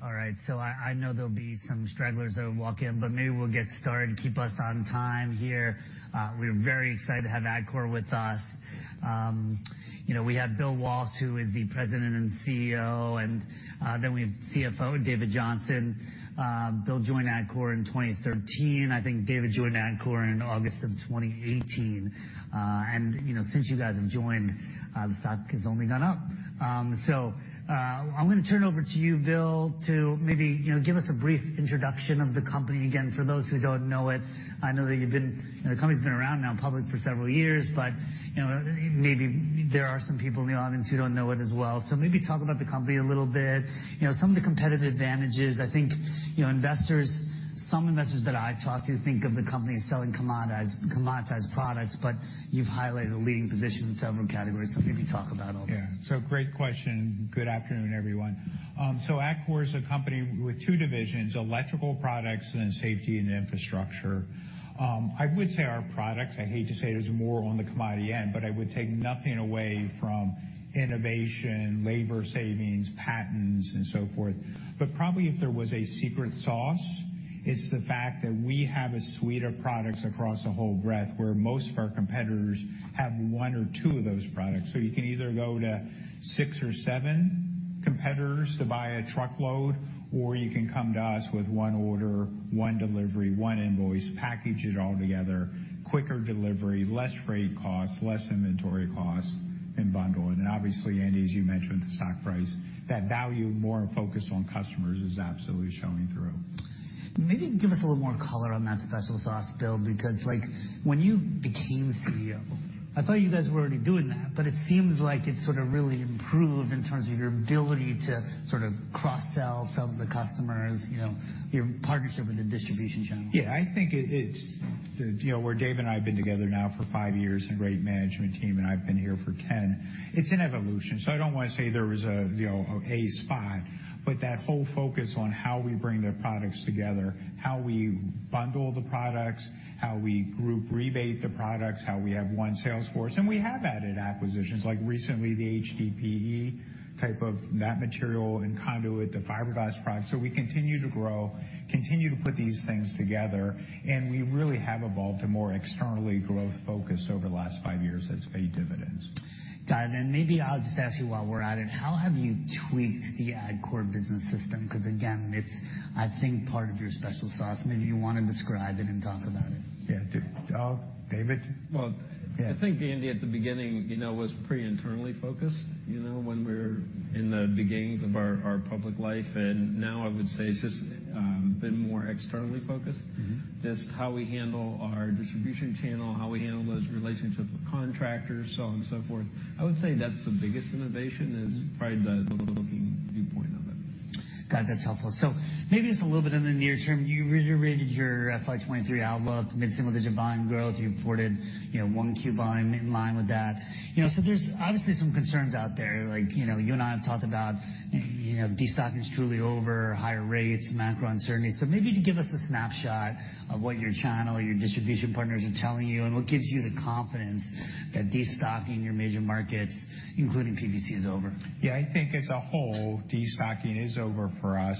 All right. I know there'll be some stragglers that'll walk in, but maybe we'll get started and keep us on time here. We're very excited to have Atkore with us. You know, we have Bill Waltz, who is the President and CEO, and we have CFO David Johnson. Bill joined Atkore in 2013. I think David joined Atkore in August of 2018. You know, since you guys have joined, the stock has only gone up. I'm gonna turn over to you, Bill, to maybe, you know, give us a brief introduction of the company again, for those who don't know it. You know, the company's been around now public for several years, but, you know, maybe there are some people in the audience who don't know it as well. Maybe talk about the company a little bit. You know, some of the competitive advantages. I think, you know, investors, some investors that I've talked to think of the company as selling commoditized products, but you've highlighted a leading position in several categories. Maybe talk about all that. Yeah. great question. Good afternoon, everyone. Atkore is a company with two divisions, electrical products and safety and infrastructure. I would say our products, I hate to say it's more on the commodity end, but I would take nothing away from innovation, labor savings, patents, and so forth. Probably if there was a secret sauce, it's the fact that we have a suite of products across a whole breadth where most of our competitors have one or two of those products. You can either go to six or seven competitors to buy a truckload, or you can come to us with one order, one delivery, one invoice, package it all together, quicker delivery, less freight costs, less inventory costs, and bundle. Obviously, Andy, as you mentioned, the stock price, that value more focused on customers is absolutely showing through. Maybe give us a little more color on that special sauce, Bill, because, like, when you became CEO, I thought you guys were already doing that, but it seems like it sort of really improved in terms of your ability to sort of cross-sell some of the customers, you know, your partnership with the distribution channel. Yeah, I think it's... You know, where Dave and I have been together now for 5 years and great management team, and I've been here for 10, it's an evolution, so I don't wanna say there was a, you know, a spot, but that whole focus on how we bring the products together, how we bundle the products, how we group rebate the products, how we have one sales force. We have added acquisitions, like recently, the HDPE type of that material and conduit, the fiberglass product. We continue to grow, continue to put these things together, and we really have evolved a more externally growth focus over the last 5 years that's paid dividends. Got it. Maybe I'll just ask you while we're at it, how have you tweaked the Atkore Business System? 'Cause again, it's, I think, part of your special sauce. Maybe you wanna describe it and talk about it. Yeah. David? Well- Yeah. I think, Andy, at the beginning, you know, was pretty internally focused, you know, when we're in the beginnings of our public life. Now I would say it's just been more externally focused. Mm-hmm. Just how we handle our distribution channel, how we handle those relationships with contractors, so on and so forth. I would say that's the biggest innovation. Mm-hmm. Is probably the looking viewpoint of it. Got it. That's helpful. Maybe just a little bit in the near term, you reiterated your FY23 outlook, mid-single-digit volume growth. You reported, you know, 1Q volume in line with that. You know, there's obviously some concerns out there, like, you know, you and I have talked about, you know, de-stocking is truly over, higher rates, macro uncertainty. Maybe just give us a snapshot of what your channel or your distribution partners are telling you and what gives you the confidence that de-stocking your major markets, including PVC, is over. Yeah, I think as a whole, de-stocking is over for us.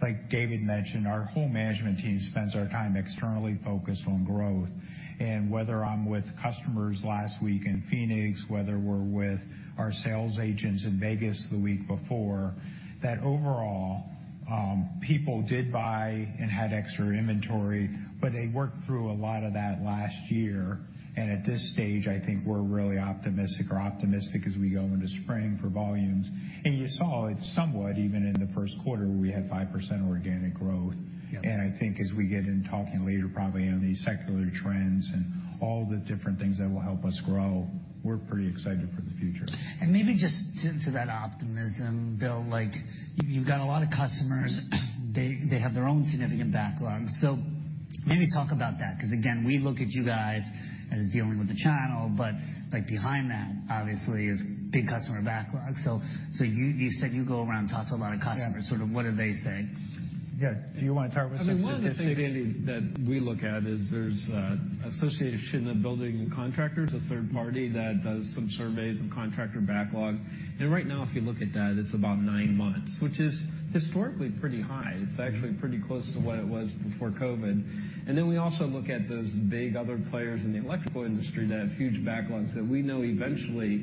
Like David mentioned, our whole management team spends our time externally focused on growth. Whether I'm with customers last week in Phoenix, whether we're with our sales agents in Vegas the week before, that overall, people did buy and had extra inventory, but they worked through a lot of that last year, and at this stage, I think we're really optimistic or optimistic as we go into spring for volumes. You saw it somewhat even in the first quarter, where we had 5% organic growth. Yeah. I think as we get in talking later, probably on these secular trends and all the different things that will help us grow, we're pretty excited for the future. Maybe just to that optimism, Bill, like, you've got a lot of customers. They have their own significant backlogs. Maybe talk about that, 'cause again, we look at you guys as dealing with the channel, but, like, behind that, obviously, is big customer backlogs. You said you go around, talk to a lot of customers. Yeah. Sort of what do they say? Yeah. Do you wanna start with some of the things- I mean, one of the things, Andy, that we look at is there's, Associated Builders and Contractors, a third party that does some surveys and contractor backlog. Right now, if you look at that, it's about nine months, which is historically pretty high. Mm-hmm. It's actually pretty close to what it was before COVID. We also look at those big other players in the electrical industry that have huge backlogs that we know eventually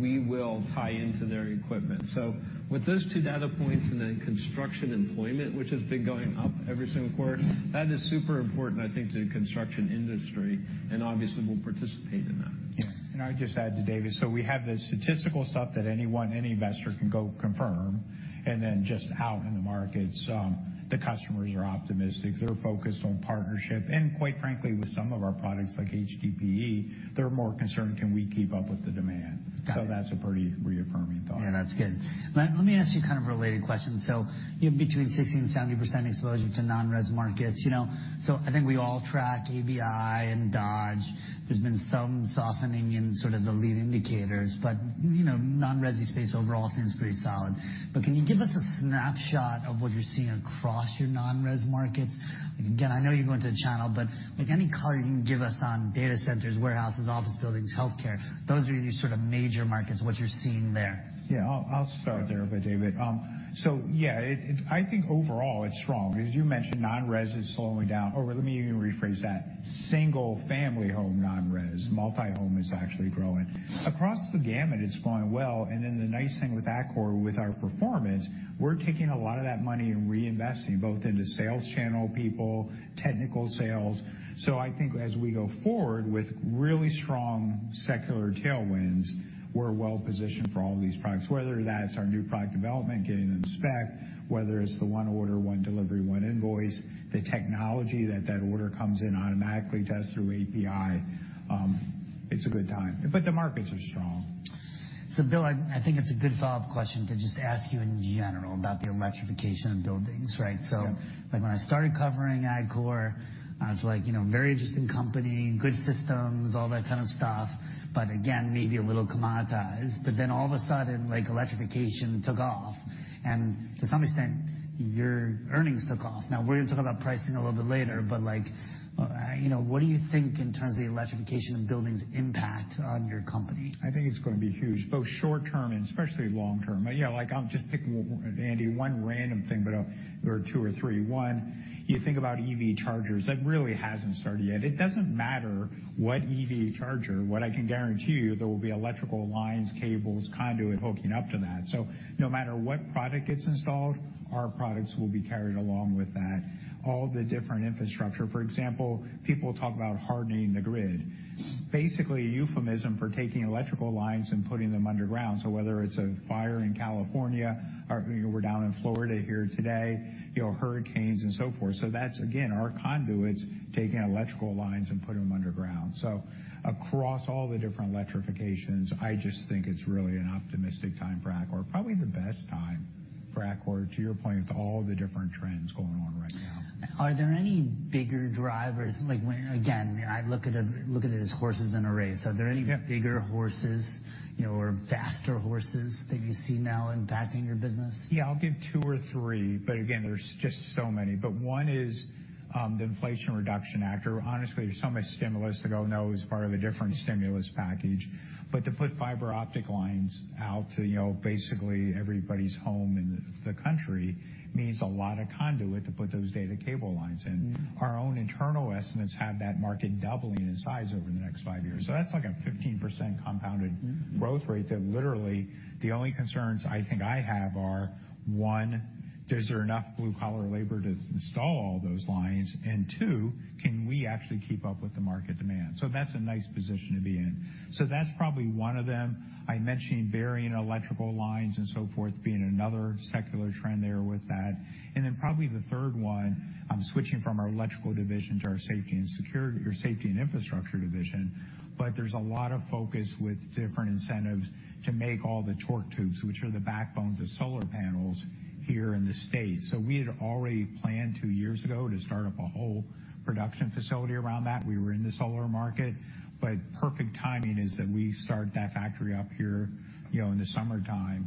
we will tie into their equipment. With those two data points and then construction employment, which has been going up every single quarter, that is super important, I think, to the construction industry, and obviously we'll participate in that. I'd just add to David, so we have the statistical stuff that anyone, any investor can go confirm, and then just out in the markets, the customers are optimistic. They're focused on partnership, and quite frankly, with some of our products, like HDPE, they're more concerned, can we keep up with the demand? Got it. That's a pretty reaffirming thought. Yeah, that's good. Let me ask you kind of a related question. You have between 60% and 70% exposure to non-res markets, you know. I think we all track ABI and Dodge. There's been some softening in sort of the lead indicators, but, you know, non-res-y space overall seems pretty solid. Can you give us a snapshot of what you're seeing across your non-res markets? Again, I know you go into the channel, but, like, any color you can give us on data centers, warehouses, office buildings, healthcare, those are your sort of major markets, what you're seeing there. I'll start there, but David. I think overall it's strong. As you mentioned, non-res is slowing down. Let me rephrase that. Single family home non-res. Multi-home is actually growing. Across the gamut, it's going well, the nice thing with Atkore, with our performance, we're taking a lot of that money and reinvesting both into sales channel people, technical sales. I think as we go forward with really strong secular tailwinds, we're well positioned for all these products, whether that's our new product development getting into spec, whether it's the one order, one delivery, one invoice, the technology that that order comes in automatically to us through API. It's a good time, but the markets are strong. Bill, I think it's a good follow-up question to just ask you in general about the electrification of buildings, right? Yeah. When I started covering Atkore, I was like, you know, very interesting company, good systems, all that kind of stuff, but again, maybe a little commoditized. All of a sudden, like electrification took off and to some extent, your earnings took off. We're gonna talk about pricing a little bit later, but like, you know, what do you think in terms of the electrification of buildings impact on your company? I think it's gonna be huge, both short term and especially long term. Like I'm just picking, Andy, one random thing, but or two or three. One, you think about EV chargers. That really hasn't started yet. It doesn't matter what EV charger. What I can guarantee you, there will be electrical lines, cables, conduit hooking up to that. No matter what product gets installed, our products will be carried along with that. All the different infrastructure. For example, people talk about hardening the grid. Basically a euphemism for taking electrical lines and putting them underground. Whether it's a fire in California or, you know, we're down in Florida here today, you know, hurricanes and so forth. That's again, our conduits taking electrical lines and putting them underground. Across all the different electrifications, I just think it's really an optimistic time for Atkore. Probably the best time for Atkore, to your point, with all the different trends going on right now. Are there any bigger drivers? Like when again, I look at it as horses in a race. Yeah. Are there any bigger horses, you know, or faster horses that you see now impacting your business? I'll give two or three, but again, there's just so many. One is, the Inflation Reduction Act or honestly, so much stimulus to go, no, it was part of a different stimulus package. To put fiber optic lines out to, you know, basically everybody's home in the country means a lot of conduit to put those data cable lines in. Mm-hmm. Our own internal estimates have that market doubling in size over the next five years. That's like a 15% compounded growth rate that literally the only concerns I think I have are, one, is there enough blue-collar labor to install all those lines? Two, can we actually keep up with the market demand? That's a nice position to be in. That's probably one of them. I mentioned burying electrical lines and so forth being another secular trend there with that. Probably the third one, I'm switching from our electrical division to our safety and infrastructure division. There's a lot of focus with different incentives to make all the torque tubes, which are the backbones of solar panels here in the States. We had already planned two years ago to start up a whole production facility around that. We were in the solar market. Perfect timing is that we start that factory up here, you know, in the summertime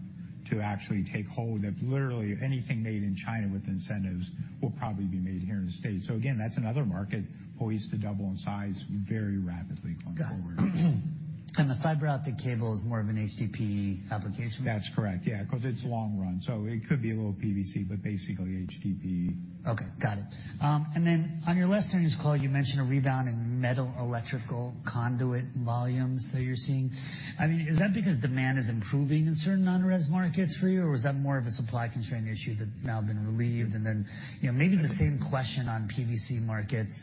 to actually take hold of literally anything made in China with incentives will probably be made here in the States. Again, that's another market poised to double in size very rapidly going forward. Got it. The fiber optic cable is more of an HDPE application? That's correct. Yeah, 'cause it's long run, so it could be a little PVC, but basically HDPE. Okay, got it. On your last earnings call, you mentioned a rebound in metal electrical conduit volumes that you're seeing. I mean, is that because demand is improving in certain non-res markets for you, or was that more of a supply constraint issue that's now been relieved? You know, maybe the same question on PVC markets.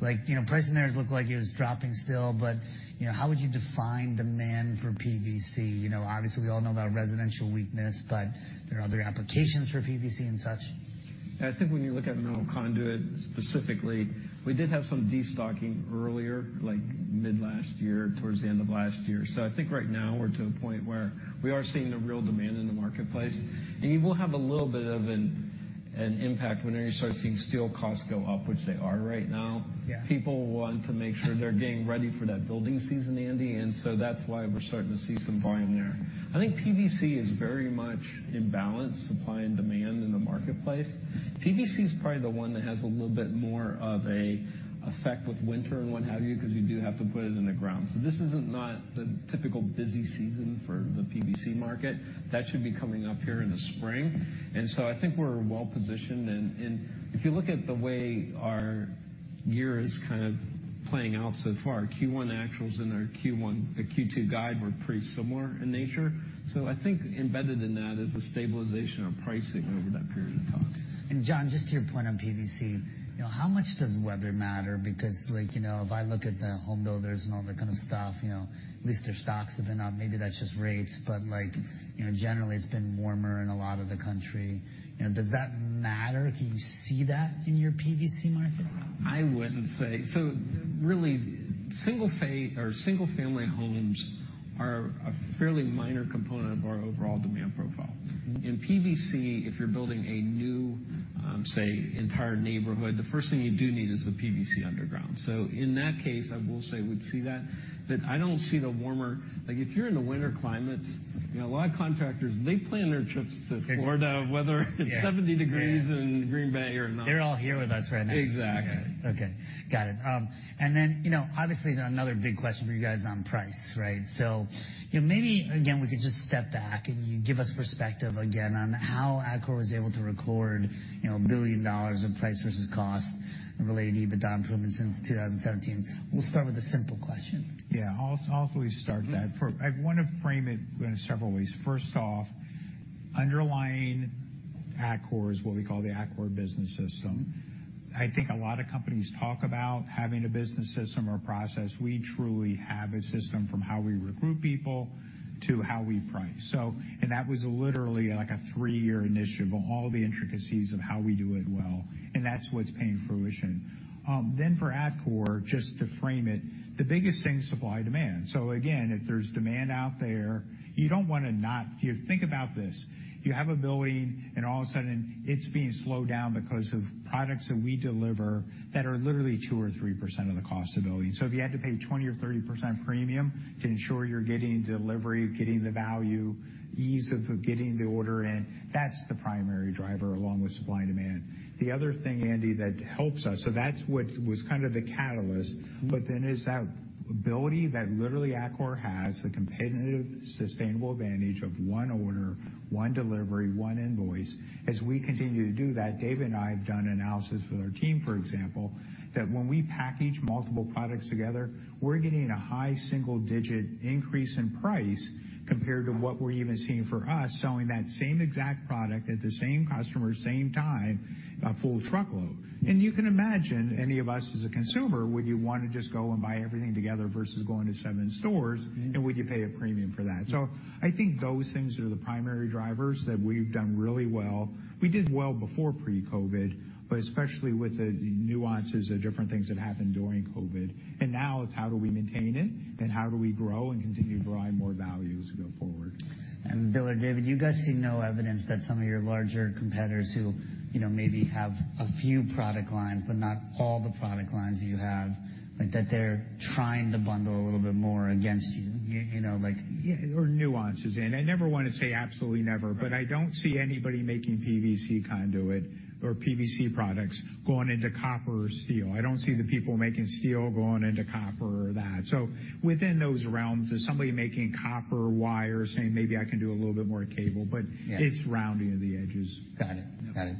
Like, you know, price in there looked like it was dropping still, but, you know, how would you define demand for PVC? You know, obviously, we all know about residential weakness, but there are other applications for PVC and such. I think when you look at metal conduit specifically, we did have some destocking earlier, like mid last year towards the end of last year. I think right now we're to a point where we are seeing the real demand in the marketplace, and you will have a little bit of an impact whenever you start seeing steel costs go up, which they are right now. Yeah. People want to make sure they're getting ready for that building season, Andy, and so that's why we're starting to see some volume there. I think PVC is very much in balance, supply and demand in the marketplace. PVC is probably the one that has a little bit more of a effect with winter and what have you, 'cause you do have to put it in the ground. This isn't not the typical busy season for the PVC market. That should be coming up here in the spring. I think we're well positioned. If you look at the way our year is kind of playing out so far, our Q1 actuals and our Q2 guide were pretty similar in nature. I think embedded in that is the stabilization of pricing over that period of time. John, just to your point on PVC, you know, how much does weather matter? Like, you know, if I look at the home builders and all that kind of stuff, you know, at least their stocks have been up. Maybe that's just rates, but like, you know, generally it's been warmer in a lot of the country. You know, does that matter? Can you see that in your PVC market? I wouldn't say really single-family homes are a fairly minor component of our overall demand profile. In PVC, if you're building a new, say, entire neighborhood, the first thing you do need is the PVC underground. In that case, I will say we'd see that, but I don't see the warmer. Like, if you're in a winter climate, you know, a lot of contractors, they plan their trips to Florida whether it's 70 degrees in Green Bay or not. They're all here with us right now. Exactly. Okay, got it. You know, obviously another big question for you guys on price, right? You know, maybe again, we could just step back and you give us perspective again on how Atkore was able to record, you know, $1 billion of price versus cost related EBITDA improvement since 2017. We'll start with a simple question. Yeah. I'll fully start that. I wanna frame it in several ways. First off, underlying Atkore is what we call the Atkore Business System. I think a lot of companies talk about having a business system or process. We truly have a system from how we recruit people to how we price. That was literally like a three-year initiative of all the intricacies of how we do it well, and that's what's paying fruition. Then for Atkore, just to frame it, the biggest thing is supply and demand. Again, if there's demand out there, you don't wanna not... If you think about this, you have a building, and all of a sudden it's being slowed down because of products that we deliver that are literally 2% or 3% of the cost of building. If you had to pay 20% or 30% premium to ensure you're getting delivery, getting the value, ease of getting the order in, that's the primary driver along with supply and demand. The other thing, Andy, that helps us, so that's what was kind of the catalyst, but then is that ability that literally Atkore has, the competitive, sustainable advantage of one order, one delivery, one invoice. As we continue to do that, David and I have done analysis with our team, for example, that when we package multiple products together, we're getting a high single-digit increase in price compared to what we're even seeing for us selling that same exact product at the same customer, same time, a full truckload. You can imagine any of us as a consumer, would you wanna just go and buy everything together versus going to seven stores, and would you pay a premium for that? I think those things are the primary drivers that we've done really well. We did well before pre-COVID, but especially with the nuances of different things that happened during COVID. Now it's how do we maintain it, and how do we grow and continue to provide more value as we go forward? Bill or David, you guys see no evidence that some of your larger competitors who, you know, maybe have a few product lines, but not all the product lines that you have, like that they're trying to bundle a little bit more against you? You know? Yeah, or nuances. I never wanna say absolutely never, but I don't see anybody making PVC conduit or PVC products going into copper or steel. I don't see the people making steel going into copper or that. Within those realms, there's somebody making copper wire saying, "Maybe I can do a little bit more cable," but- Yeah. It's rounding of the edges. Got it. Got it.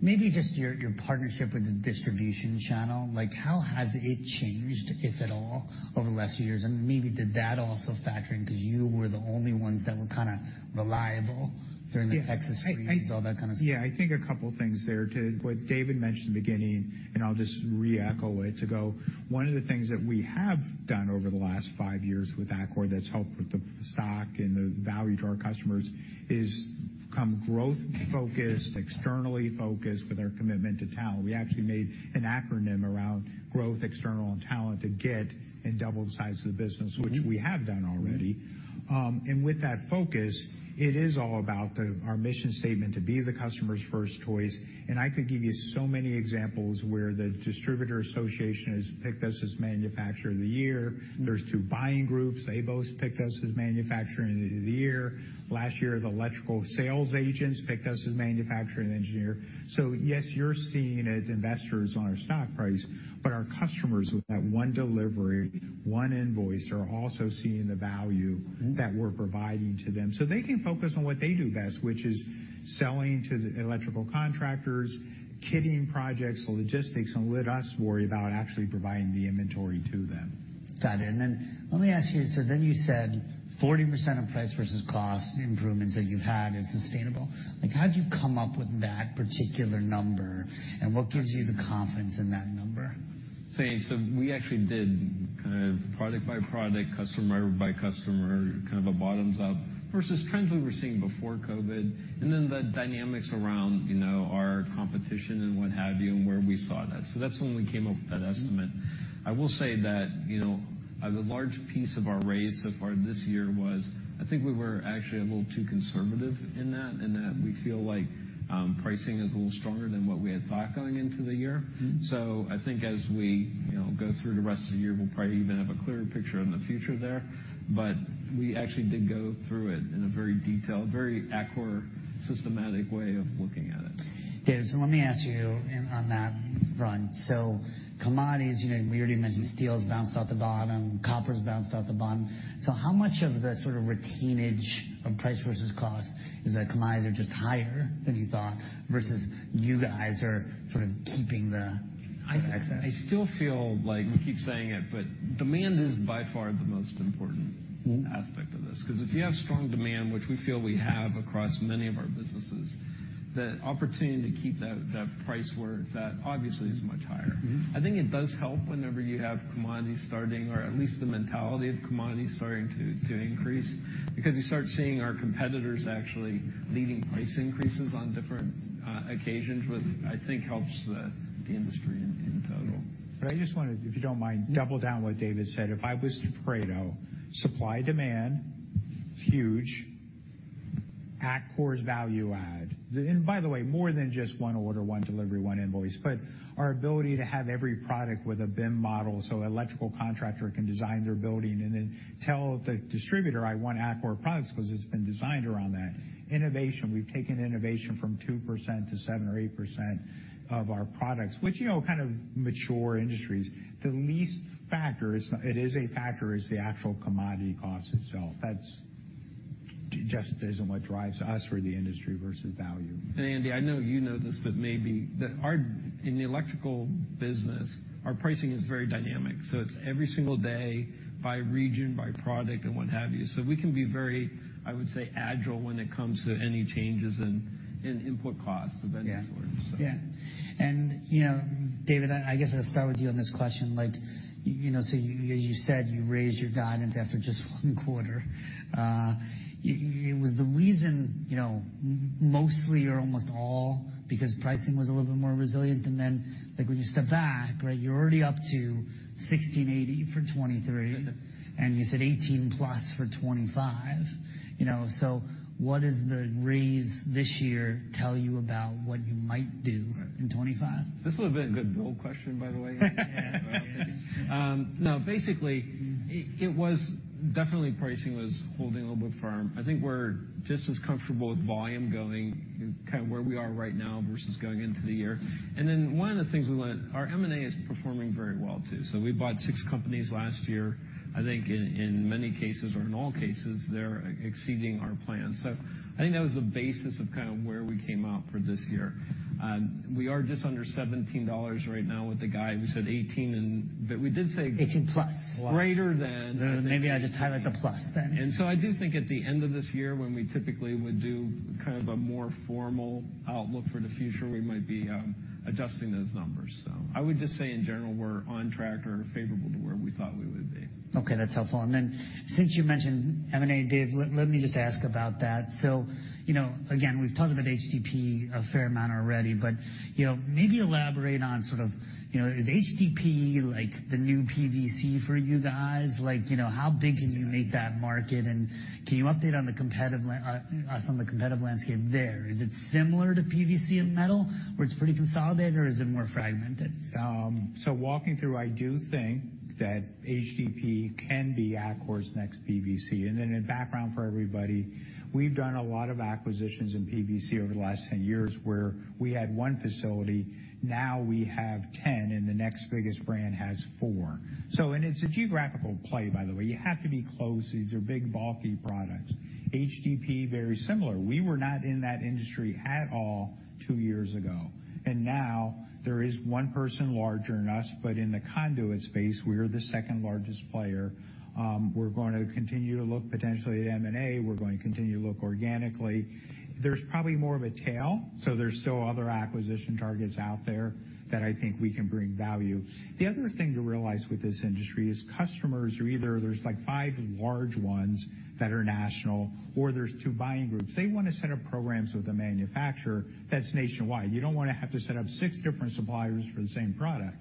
Maybe just your partnership with the distribution channel, like how has it changed, if at all, over the last few years? Maybe did that also factor in 'cause you were the only ones that were kinda reliable during the Texas freeze, all that kind of stuff? Yeah. I think a couple things there. To what David mentioned at the beginning, I'll just re-echo it to go, one of the things that we have done over the last five years with Atkore that's helped with the stock and the value to our customers is become growth focused, externally focused with our commitment to talent. We actually made an acronym around growth, external, and talent to get and double the size of the business- Mm-hmm. which we have done already. With that focus, it is all about our mission statement to be the customer's first choice. I could give you so many examples where the distributor association has picked us as Manufacturer of the Year. There's two buying groups. They both picked us as Manufacturer of the Year. Last year, the electrical sales agents picked us as Manufacturer of the Year. Yes, you're seeing it, investors, on our stock price. Our customers with that one delivery, one invoice, are also seeing the value that we're providing to them, so they can focus on what they do best, which is selling to the electrical contractors, kitting projects, logistics, and let us worry about actually providing the inventory to them. Got it. Let me ask you said 40% of price versus cost improvements that you've had is sustainable. Like, how'd you come up with that particular number, and what gives you the confidence in that number? We actually did kind of product by product, customer by customer, kind of a bottoms up versus trends we were seeing before COVID, and then the dynamics around, you know, our competition and what have you and where we saw that. That's when we came up with that estimate. I will say that, you know, a large piece of our raise so far this year was I think we were actually a little too conservative in that, in that we feel like pricing is a little stronger than what we had thought going into the year. Mm-hmm. I think as we, you know, go through the rest of the year, we'll probably even have a clearer picture on the future there. We actually did go through it in a very detailed, very Atkore systematic way of looking at it. David, let me ask you on that front. Commodities, you know, we already mentioned steel's bounced off the bottom. Copper's bounced off the bottom. How much of the sort of retainage of price versus cost is that commodities are just higher than you thought versus you guys are sort of keeping the excess? I still feel like we keep saying it, but demand is by far the most important aspect of this. 'Cause if you have strong demand, which we feel we have across many of our businesses, the opportunity to keep that price where it's at obviously is much higher. Mm-hmm. I think it does help whenever you have commodities starting, or at least the mentality of commodities starting to increase, because you start seeing our competitors actually leading price increases on different occasions, which I think helps the industry in total. I just wanna, if you don't mind, double down what David said. If I was to pray though, supply demand, huge. Atkore's value add. By the way, more than just one order, one delivery, one invoice, but our ability to have every product with a BIM model, so electrical contractor can design their building and then tell the distributor, "I want Atkore products," 'cause it's been designed around that. Innovation, we've taken innovation from 2% to 7% or 8% of our products, which, you know, kind of mature industries. The least factor is, it is a factor, is the actual commodity cost itself. It just isn't what drives us or the industry versus value. Andy, I know you know this, but maybe that in the electrical business, our pricing is very dynamic, so it's every single day by region, by product, and what have you. We can be very, I would say, agile when it comes to any changes in input costs of any sort, so. Yeah. Yeah. You know, David, I guess I'll start with you on this question. Like, you know, you said you raised your guidance after just one quarter. It was the reason, you know, mostly or almost all because pricing was a little bit more resilient. Like, when you step back, right, you're already up to $16.80 for 2023. Mm-hmm. You said 18+ for 25. You know, what does the raise this year tell you about what you might do in 25? This would have been a good Bill question, by the way. No, basically it was definitely pricing was holding a little bit firm. I think we're just as comfortable with volume going kind of where we are right now versus going into the year. Our M&A is performing very well too. We bought 6 companies last year. I think in many cases or in all cases they're exceeding our plan. I think that was the basis of kind of where we came out for this year. We are just under $17 right now with the guide. We said $18. 18 plus. Greater than. Maybe I just highlight the plus then. I do think at the end of this year when we typically would do kind of a more formal outlook for the future, we might be adjusting those numbers. I would just say in general we're on track or favorable to where we thought we would be. Okay, that's helpful. Since you mentioned M&A, Dave, let me just ask about that. You know, again, we've talked about HDPE a fair amount already, but, you know, maybe elaborate on sort of, you know, is HDPE like the new PVC for you guys? You know, how big can you make that market, and can you update us on the competitive landscape there? Is it similar to PVC in metal where it's pretty consolidated, or is it more fragmented? Walking through, I do think that HDPE can be Atkore's next PVC. A background for everybody, we've done a lot of acquisitions in PVC over the last 10 years where we had one facility, now we have 10, and the next biggest brand has four. It's a geographical play, by the way. You have to be close. These are big, bulky products. HDPE, very similar. We were not in that industry at all two years ago, and now there is one person larger than us, but in the conduit space, we are the second largest player. We're going to continue to look potentially at M&A. We're going to continue to look organically. There's probably more of a tail, so there's still other acquisition targets out there that I think we can bring value. The other thing to realize with this industry is customers are either, there's like five large ones that are national, or there's two buying groups. They wanna set up programs with a manufacturer that's nationwide. You don't wanna have to set up six different suppliers for the same product.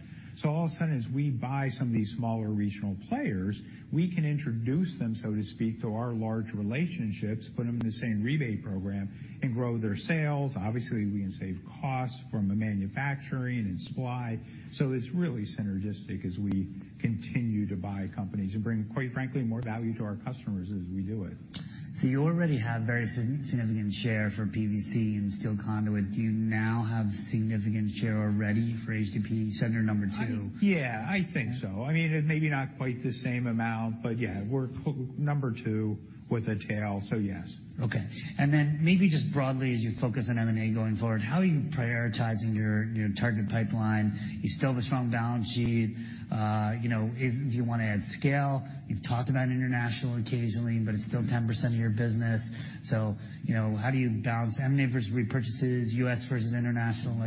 All of a sudden, as we buy some of these smaller regional players, we can introduce them, so to speak, to our large relationships, put them in the same rebate program and grow their sales. Obviously, we can save costs from the manufacturing and supply. It's really synergistic as we continue to buy companies and bring, quite frankly, more value to our customers as we do it. You already have very significant share for PVC and steel conduit. Do you now have significant share already for HDPE seller number two? Yeah, I think so. I mean, it may be not quite the same amount, but yeah, we're number two with a tail, yes. Okay. Then maybe just broadly as you focus on M&A going forward, how are you prioritizing your target pipeline? You still have a strong balance sheet. You know, is, do you wanna add scale? You've talked about international occasionally, but it's still 10% of your business. You know, how do you balance M&A versus repurchases, U.S. versus international?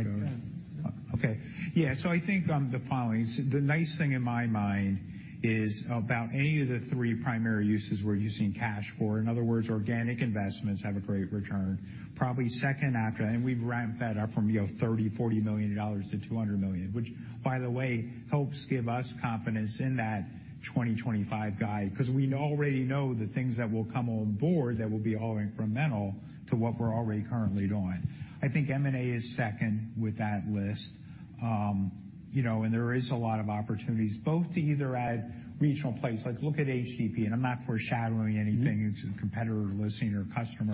I think the following. The nice thing in my mind is about any of the three primary uses we're using cash for, in other words, organic investments have a great return. Probably second after that, and we've ramped that up from, you know, $30 million-$40 million to $200 million, which by the way helps give us confidence in that 2025 guide, 'cause we already know the things that will come on board that will be all incremental to what we're already currently doing. I think M&A is second with that list. You know, and there is a lot of opportunities both to either add regional plays, like look at HDPE, and I'm not foreshadowing anything. Mm-hmm. It's a competitor listening or customer.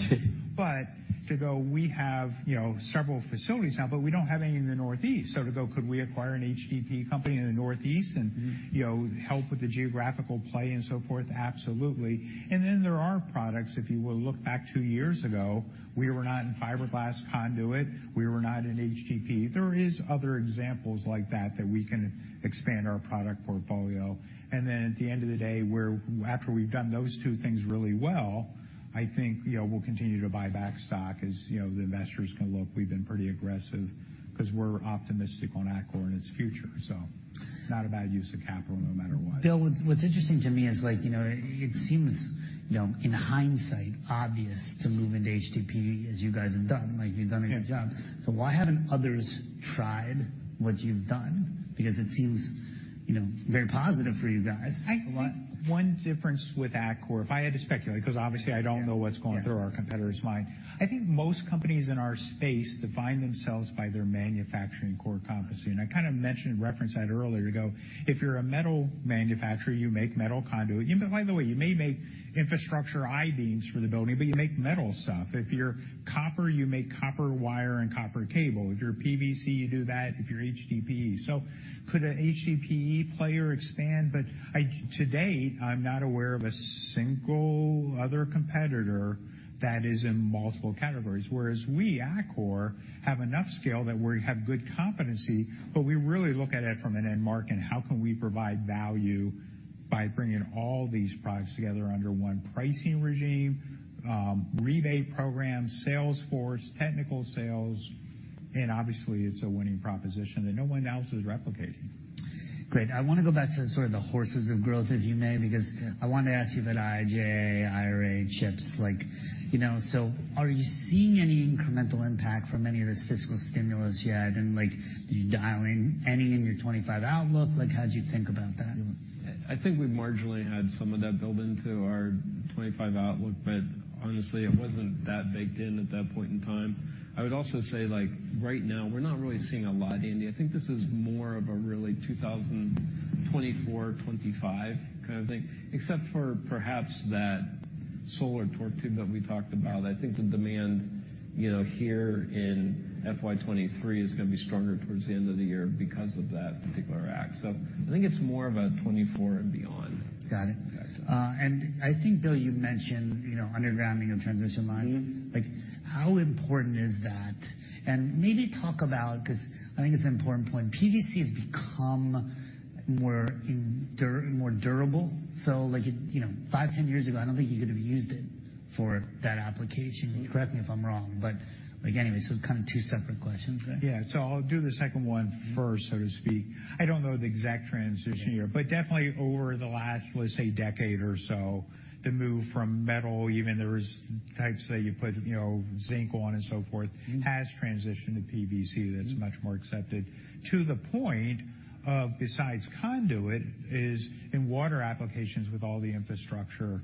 To go, we have, you know, several facilities now, but we don't have any in the Northeast. To go, could we acquire an HDPE company in the Northeast and? Mm-hmm. You know, help with the geographical play and so forth? Absolutely. There are products, if you were to look back two years ago, we were not in fiberglass conduit, we were not in HDPE. There is other examples like that we can expand our product portfolio. At the end of the day, we're, after we've done those two things really well, I think, you know, we'll continue to buy back stock as, you know, the investors can look. We've been pretty aggressive 'cause we're optimistic on Atkore and its future. Not a bad use of capital no matter what. Bill, what's interesting to me is like, you know, it seems, you know, in hindsight obvious to move into HDPE as you guys have done, like you've done a good job. Why haven't others tried what you've done? It seems, you know, very positive for you guys. I think one difference with Atkore, if I had to speculate, 'cause obviously I don't know what's going through our competitors' mind, I think most companies in our space define themselves by their manufacturing core competency. I kind of mentioned, referenced that earlier to go, if you're a metal manufacturer, you make metal conduit. Even, by the way, you may make infrastructure I-beams for the building, but you make metal stuff. If you're copper, you make copper wire and copper cable. If you're PVC, you do that. If you're HDPE. Could a HDPE player expand? I, to date, I'm not aware of a single other competitor that is in multiple categories, whereas we, Atkore, have enough scale that we have good competency, but we really look at it from an end market and how can we provide value. By bringing all these products together under one pricing regime, rebate program, sales force, technical sales, and obviously, it's a winning proposition that no one else is replicating. Great. I wanna go back to sort of the horses of growth, if you may, because I wanted to ask you about IIJA, IRA, CHIPS, like, you know. Are you seeing any incremental impact from any of this fiscal stimulus yet? Like, are you dialing any in your 2025 outlook? Like, how'd you think about that? I think we've marginally had some of that build into our 2025 outlook, honestly, it wasn't that baked in at that point in time. I would also say, like, right now, we're not really seeing a lot in. I think this is more of a really 2024, 2025 kind of thing, except for perhaps that solar Torque Tube that we talked about. I think the demand, you know, here in FY23 is going to be stronger towards the end of the year because of that particular act. I think it's more of a 2024 and beyond. Got it. Gotcha. I think, Bill, you mentioned, you know, undergrounding of transition lines. Mm-hmm. Like, how important is that? Maybe talk about, 'cause I think it's an important point, PVC has become more durable. Like, you know, five, 10 years ago, I don't think you could have used it for that application. Correct me if I'm wrong, but like, anyway, so kind of two separate questions there. Yeah. I'll do the second one first, so to speak. I don't know the exact transition year, but definitely over the last, let's say, decade or so, the move from metal, even there was types that you put, you know, zinc on and so forth, has transitioned to PVC that's much more accepted. To the point of besides conduit is in water applications with all the infrastructure,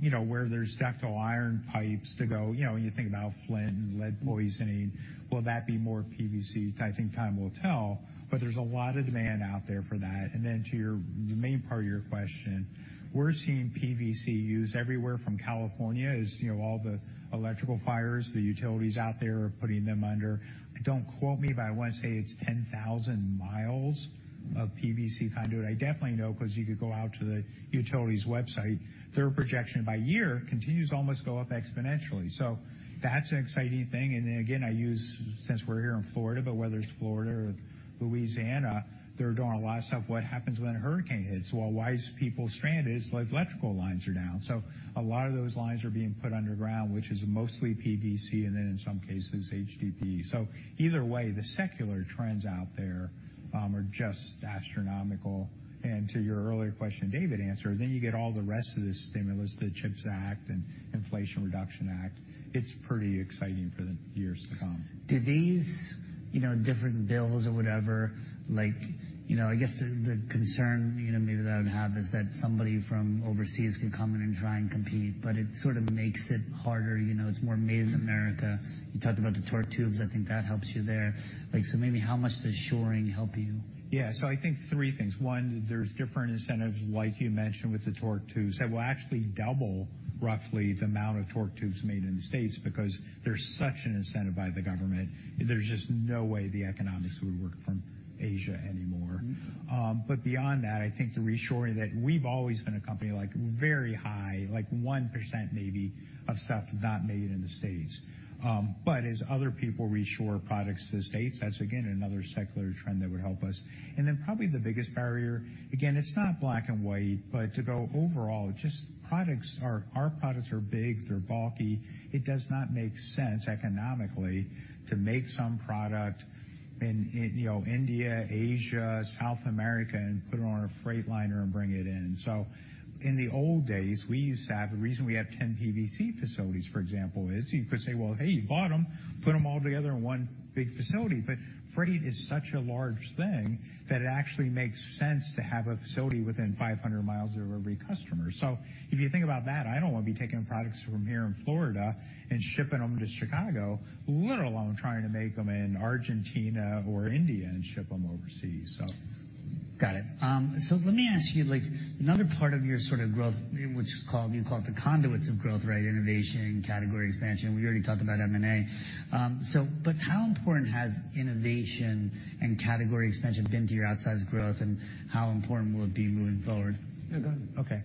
you know, where there's ductile iron pipes to go, you know, when you think about Flint and lead poisoning, will that be more PVC? I think time will tell, but there's a lot of demand out there for that. To your, the main part of your question, we're seeing PVC used everywhere from California, as you know, all the electrical fires, the utilities out there are putting them under. Don't quote me, but I want to say it's 10,000 miles of PVC conduit. I definitely know 'cause you could go out to the utilities website. Their projection by year continues to almost go up exponentially. That's an exciting thing. Again, I use, since we're here in Florida, but whether it's Florida or Louisiana, they're doing a lot of stuff. What happens when a hurricane hits? Well, why is people stranded? It's the electrical lines are down. A lot of those lines are being put underground, which is mostly PVC, and then in some cases, HDPE. Either way, the secular trends out there are just astronomical. To your earlier question David answered, then you get all the rest of this stimulus, the CHIPS Act and Inflation Reduction Act. It's pretty exciting for the years to come. Do these, you know, different bills or whatever, like, you know, I guess the concern, you know, maybe that I would have is that somebody from overseas can come in and try and compete, but it sort of makes it harder, you know, it's more made in America. You talked about the torque tubes, I think that helps you there. Maybe how much does shoring help you? I think three things. One, there's different incentives like you mentioned with the torque tubes that will actually double roughly the amount of torque tubes made in the States because there's such an incentive by the government. There's just no way the economics would work from Asia anymore. Beyond that, I think the reshoring that we've always been a company like very high, like 1% maybe of stuff not made in the States. As other people reshore products to the States, that's again another secular trend that would help us. Probably the biggest barrier, again, it's not black and white, but to go overall, just our products are big, they're bulky. It does not make sense economically to make some product in, you know, India, Asia, South America, and put it on a freight liner and bring it in. In the old days, we used to have, the reason we had 10 PVC facilities, for example, is you could say, "Well, hey, you bought them, put them all together in one big facility." Freight is such a large thing that it actually makes sense to have a facility within 500 miles of every customer. If you think about that, I don't wanna be taking products from here in Florida and shipping them to Chicago, let alone trying to make them in Argentina or India and ship them overseas. Got it. Let me ask you, like, another part of your sort of growth, which is called, you called the conduits of growth, right? Innovation, category expansion. We already talked about M&A. How important has innovation and category expansion been to your outsized growth, and how important will it be moving forward? Yeah, go ahead. Okay.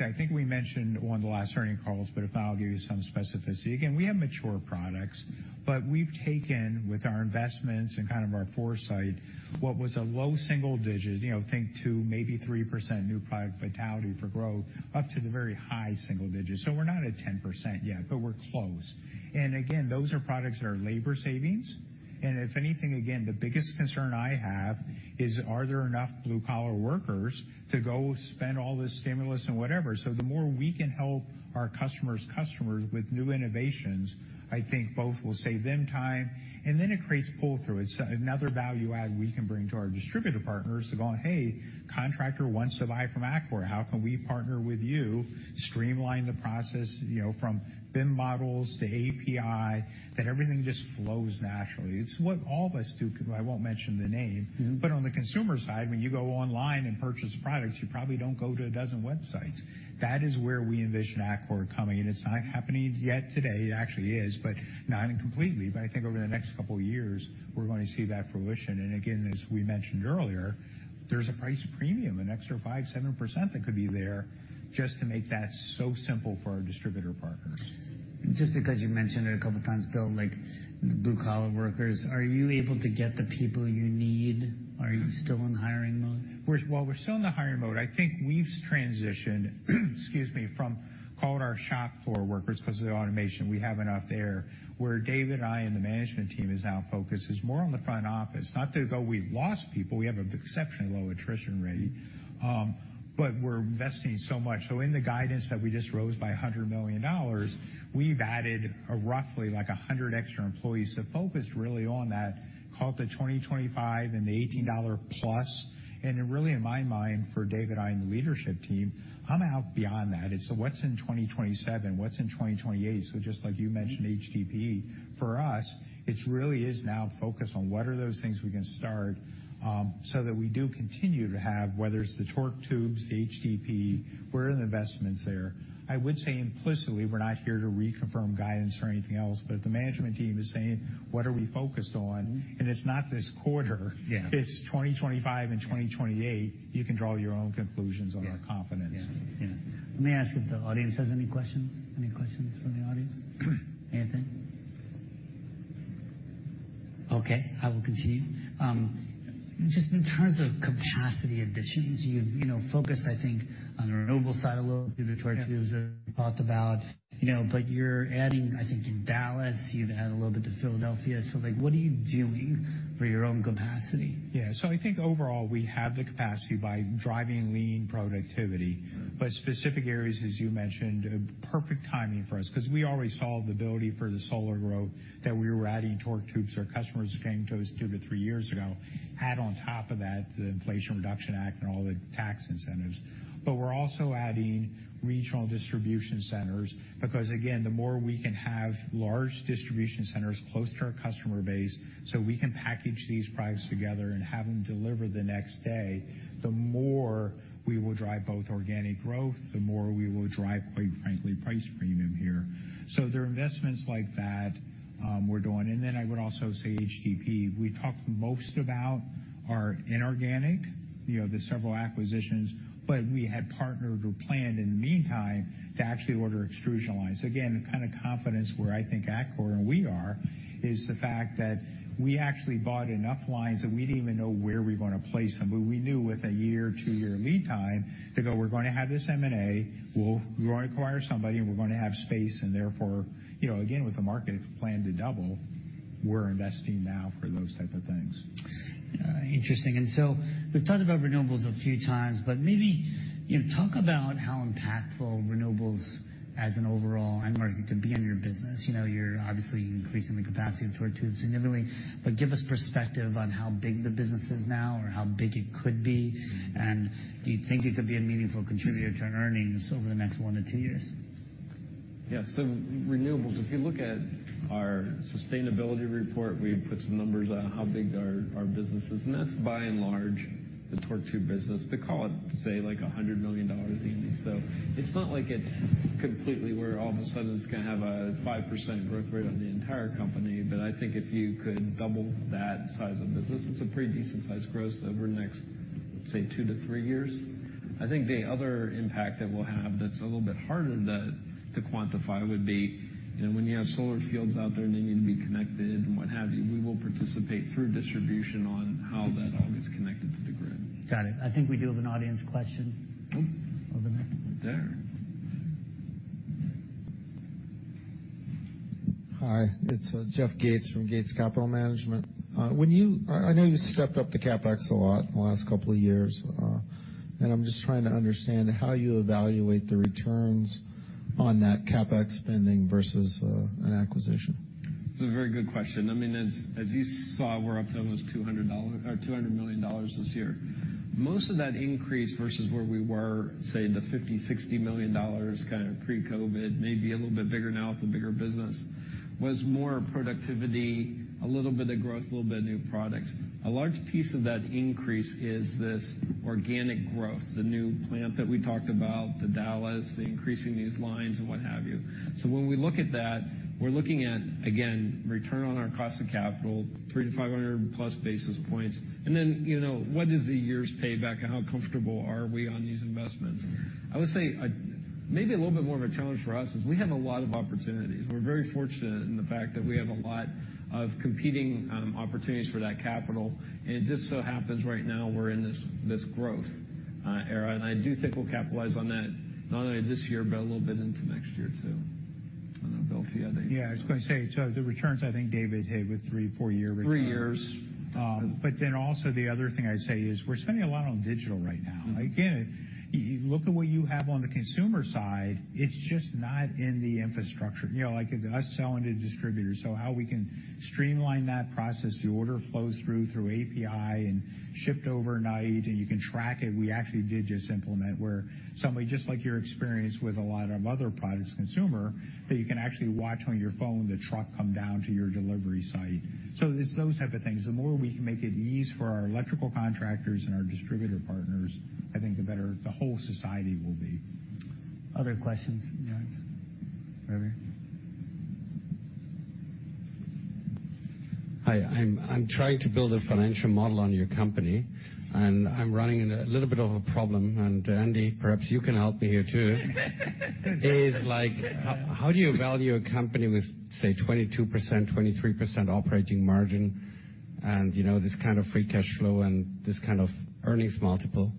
I think we mentioned on the last earnings calls, but if not, I'll give you some specificity. Again, we have mature products, but we've taken with our investments and kind of our foresight, what was a low single digit, you know, think 2%, maybe 3% new product vitality for growth, up to the very high single digits. We're not at 10% yet, but we're close. Again, those are products that are labor savings. If anything, again, the biggest concern I have is are there enough blue-collar workers to go spend all this stimulus and whatever? The more we can help our customers with new innovations, I think both will save them time, and then it creates pull-through. It's another value add we can bring to our distributor partners of going, "Hey, contractor wants to buy from Atkore. How can we partner with you, streamline the process, you know, from BIM models to API, that everything just flows naturally?" It's what all of us do. I won't mention the name. Mm-hmm. On the consumer side, when you go online and purchase products, you probably don't go to 12 websites. That is where we envision Atkore coming, and it's not happening yet today. It actually is, but not completely. I think over the next two years, we're going to see that fruition. Again, as we mentioned earlier, there's a price premium, an extra 5%, 7% that could be there just to make that so simple for our distributor partners. Just because you mentioned it a couple times, Bill, like blue-collar workers, are you able to get the people you need? Are you still in hiring mode? We're, well, we're still in the hiring mode. I think we've transitioned, excuse me, from call it our shop floor workers 'cause of the automation. We have enough there. Where David and I and the management team is now focused is more on the front office. Not to go, we've lost people. We have an exceptionally low attrition rate. We're investing so much. In the guidance that we just rose by $100 million, we've added roughly like 100 extra employees to focus really on that, call it the 2025 and the $18 plus. Really in my mind, for David and I and the leadership team, I'm out beyond that. It's what's in 2027? What's in 2028? Just like you mentioned HDPE. For us, it really is now focused on what are those things we can start, so that we do continue to have, whether it's the torque tubes, the HDPE, where are the investments there? I would say implicitly, we're not here to reconfirm guidance or anything else, but the management team is saying, "What are we focused on?" It's not this quarter. Yeah. It's 2025 and 2028. You can draw your own conclusions on our confidence. Yeah. Yeah. Let me ask if the audience has any questions. Any questions from the audience? Anything? Okay, I will continue. Just in terms of capacity additions, you've, you know, focused, I think on the renewable side a little bit, the torque tubes are thought about, you know, but you're adding, I think in Dallas, you've added a little bit to Philadelphia. Like, what are you doing for your own capacity? I think overall we have the capacity by driving lean productivity. Specific areas, as you mentioned, perfect timing for us because we already saw the ability for the solar growth that we were adding torque tubes. Our customers came to us 2-3 years ago. Add on top of that the Inflation Reduction Act and all the tax incentives. We're also adding regional distribution centers because again, the more we can have large distribution centers close to our customer base, so we can package these products together and have them delivered the next day, the more we will drive both organic growth, the more we will drive, quite frankly, price premium here. They're investments like that we're doing. I would also say HTP, we talked most about our inorganic, you know, the several acquisitions. We had partnered or planned in the meantime to actually order extrusion lines. The kind of confidence where I think Atkore and we are is the fact that we actually bought enough lines that we didn't even know where we were going to place them. We knew with a 1-year or 2-year lead time to go, we're going to have this M&A. We're going to acquire somebody. We're going to have space. Therefore, you know, again, with the market plan to double, we're investing now for those type of things. Interesting. We've talked about renewables a few times, but maybe, you know, talk about how impactful renewables as an overall end market can be in your business. You know, you're obviously increasing the capacity of torque tubes significantly, but give us perspective on how big the business is now or how big it could be, and do you think it could be a meaningful contributor to earnings over the next one to two years? Renewables, if you look at our sustainability report, we put some numbers on how big our business is, and that's by and large the torque tubes business. Call it, say, like $100 million easily. It's not like it's completely where all of a sudden it's gonna have a 5% growth rate on the entire company. I think if you could double that size of business, it's a pretty decent sized growth over the next, say, 2-3 years. The other impact that we'll have that's a little bit harder to quantify would be, you know, when you have solar fields out there and they need to be connected and what have you, we will participate through distribution on how that all gets connected to the grid. Got it. I think we do have an audience question over there. There. Hi, it's Jeff Gates from Gates Capital Management. I know you stepped up the CapEx a lot in the last couple of years, and I'm just trying to understand how you evaluate the returns on that CapEx spending versus an acquisition. It's a very good question. I mean, as you saw, we're up to almost $200 million this year. Most of that increase versus where we were, say, the $50 million-$60 million kind of pre-COVID, maybe a little bit bigger now with the bigger business, was more productivity, a little bit of growth, a little bit of new products. A large piece of that increase is this organic growth, the new plant that we talked about, the Dallas, increasing these lines and what have you. When we look at that, we're looking at, again, return on our cost of capital, 300-500+ basis points. You know, what is the year's payback and how comfortable are we on these investments? I would say maybe a little bit more of a challenge for us is we have a lot of opportunities. We're very fortunate in the fact that we have a lot of competing opportunities for that capital. It just so happens right now we're in this growth era. I do think we'll capitalize on that not only this year but a little bit into next year too. I don't know, Bill, if you have anything? Yeah, I was gonna say, the returns I think David hit with three, four year return. Three years. Also the other thing I'd say is we're spending a lot on digital right now. Again, you look at what you have on the consumer side, it's just not in the infrastructure. You know, like if us selling to distributors. How we can streamline that process, the order flows through API and shipped overnight and you can track it. We actually did just implement where somebody, just like your experience with a lot of other products consumer, that you can actually watch on your phone the truck come down to your delivery site. It's those type of things. The more we can make it ease for our electrical contractors and our distributor partners, I think the better the whole society will be. Other questions, guys? Over here. Hi, I'm trying to build a financial model on your company, and I'm running into a little bit of a problem. Andy, perhaps you can help me here too. Is like, how do you value a company with, say, 22%, 23% operating margin and, you know, this kind of free cash flow and this kind of earnings multiple?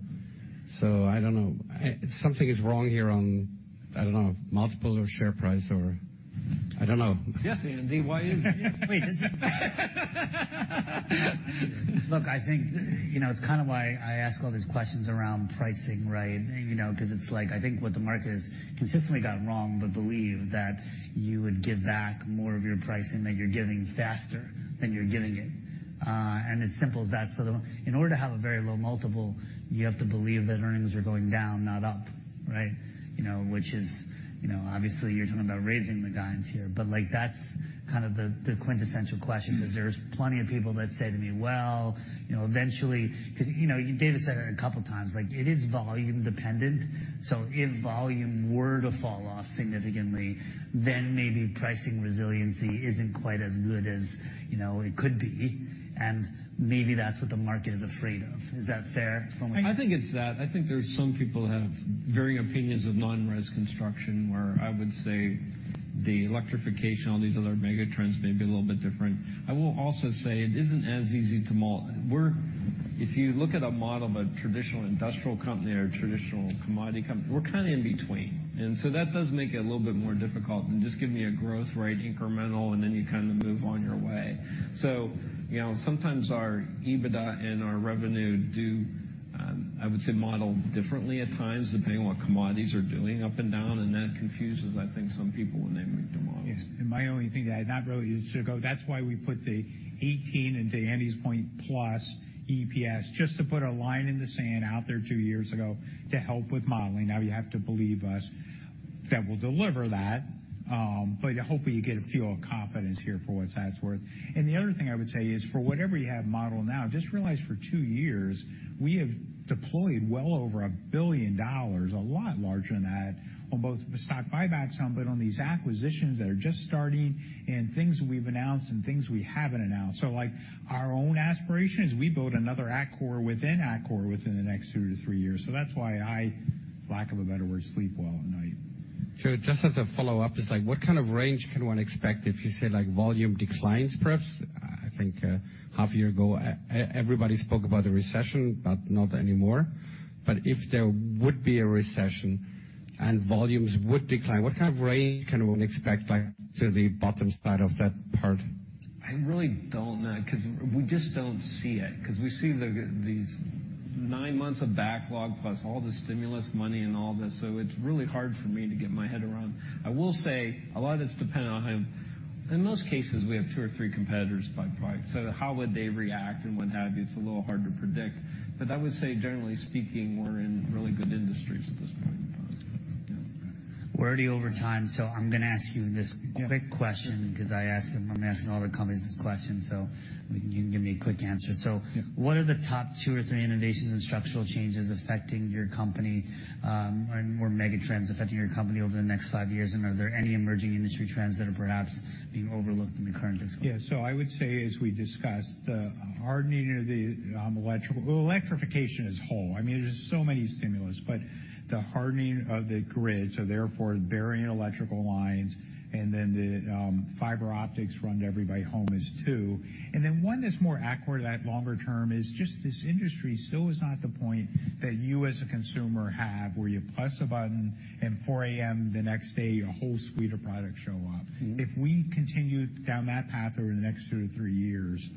I don't know. Something is wrong here on, I don't know, multiple or share price or I don't know. Yes, Andy, why you? Wait. Look, I think, you know, it's kind of why I ask all these questions around pricing, right? You know, 'cause it's like, I think what the market has consistently got wrong, but believe that you would give back more of your pricing, that you're giving faster than you're giving it. And it's simple as that. In order to have a very low multiple, you have to believe that earnings are going down, not up, right? You know, which is, you know, obviously you're talking about raising the guidance here, but like, that's kind of the quintessential question, 'cause there's plenty of people that say to me, "Well, you know, eventually..." 'Cause, you know, David said it a couple of times, like it is volume dependent. If volume were to fall off significantly, then maybe pricing resiliency isn't quite as good as, you know, it could be. Maybe that's what the market is afraid of. Is that fair? I think it's that. I think there's some people have varying opinions of non-res construction, where I would say the electrification, all these other mega trends may be a little bit different. I will also say it isn't as easy to model. If you look at a model of a traditional industrial company or a traditional commodity company, we're kinda in between. That does make it a little bit more difficult than just give me a growth rate incremental, and then you kinda move on your way. You know, sometimes our EBITDA and our revenue do, I would say model differently at times, depending on what commodities are doing up and down, and that confuses, I think, some people when they make the models. Yes. My only thing that I had not really used to go, that's why we put the 18 into Andy's point plus EPS, just to put a line in the sand out there two years ago to help with modeling. You have to believe us that we'll deliver that, but hopefully you get a feel of confidence here for what that's worth. The other thing I would say is for whatever you have modeled now, just realize for two years, we have deployed well over $1 billion, a lot larger than that, on both the stock buybacks sum, but on these acquisitions that are just starting and things we've announced and things we haven't announced. Like, our own aspiration is we build another Atkore within Atkore within the next 2-3 years. That's why I, lack of a better word, sleep well at night. Sure. Just as a follow-up, just like what kind of range can one expect if you say like volume declines, perhaps? I think half year ago everybody spoke about the recession, not anymore. If there would be a recession and volumes would decline, what kind of range can one expect, like, to the bottom side of that part? I really don't know 'cause we just don't see it, 'cause we see these nine months of backlog plus all the stimulus money and all this. It's really hard for me to get my head around. I will say a lot of this depend on him. In most cases, we have two or three competitors by product. How would they react and what have you, it's a little hard to predict. I would say, generally speaking, we're in really good industries at this point in time. We're already over time, so I'm gonna ask you this quick question 'cause I ask, I'm asking all the companies this question, so you can give me a quick answer. Yeah. What are the top 2 or 3 innovations and structural changes affecting your company, or more mega trends affecting your company over the next 5 years? Are there any emerging industry trends that are perhaps being overlooked in the current discussion? Yeah. I would say, as we discussed, the hardening of the electrification as whole. I mean, there's so many stimulus. The hardening of the grid, so therefore burying electrical lines and then the fiber optics run to every by home is 2. One that's more accurate to that longer term is just this industry still is not at the point that you as a consumer have, where you press a button and 4:00 A.M. the next day, a whole suite of products show up. Mm-hmm. If we continue down that path over the next 2-3 years,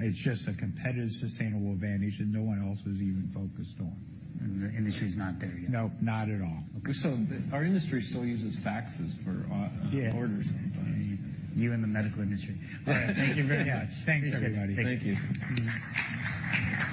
it's just a competitive, sustainable advantage that no one else is even focused on. The industry's not there yet? No, not at all. Okay. our industry still uses faxes for. Yeah. orders sometimes. You and the medical industry. All right. Thank you very much. Thanks, everybody. Thank you. Thank you.